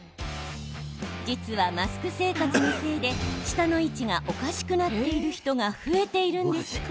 実は、マスク生活のせいで舌の位置がおかしくなっている人が増えているんです。